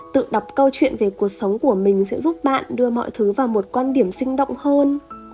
tự đọc câu chuyện về cuộc sống của mình sẽ giúp bạn đưa mọi thứ vào một quan điểm sinh động hơn